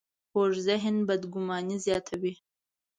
کوږ ذهن بدګماني زیاتوي